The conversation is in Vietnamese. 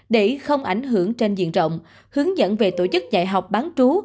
để không ảnh hưởng trên diện rộng hướng dẫn về tổ chức dạy học bán trú